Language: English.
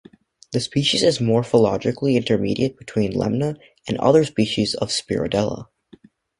The species is morphologically intermediate between "Lemna" and other species of "Spirodela".